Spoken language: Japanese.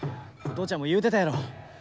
お父ちゃんも言うてたやろ。